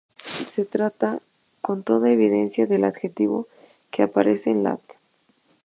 Se trata con toda evidencia del adjetivo que aparece en lat.